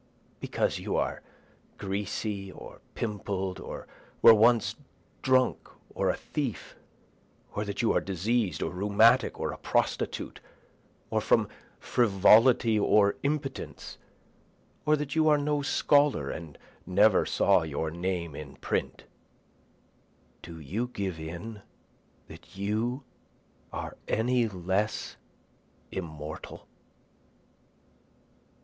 (Because you are greasy or pimpled, or were once drunk, or a thief, Or that you are diseas'd, or rheumatic, or a prostitute, Or from frivolity or impotence, or that you are no scholar and never saw your name in print, Do you give in that you are any less immortal?)